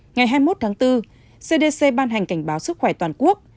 ngày hai mươi một tháng bốn cdc ban hành cảnh báo sức khỏe toàn quốc